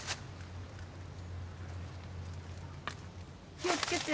気をつけて。